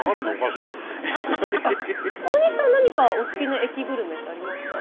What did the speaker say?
大西さん何かお好きな駅グルメってありますか？